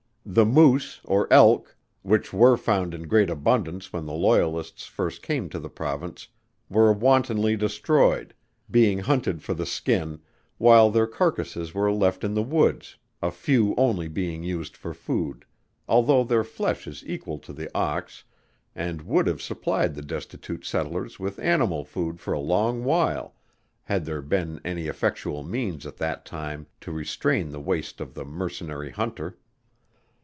The Moose or Elk, which were found in great abundance when the loyalists first came to the province, were wantonly destroyed, being hunted for the skin, while their carcases were left in the woods, a few only being used for food, although their flesh is equal to the Ox, and would have supplied the destitute settlers with animal food for a long while, had there been any effectual means at that time to restrain the waste of the mercenary hunter.